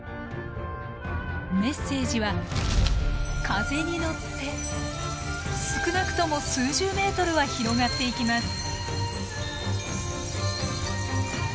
メッセージは風に乗って少なくとも数十メートルは広がっていきます。